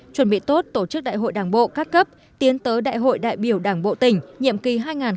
chuẩn bị tốt tổ chức đại hội đảng bộ các cấp tiến tới đại hội đại biểu đảng bộ tỉnh nhiệm kỳ hai nghìn hai mươi hai nghìn hai mươi năm